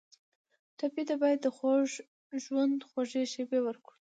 ټپي ته باید د خوږ ژوند خوږې شېبې ورکړو.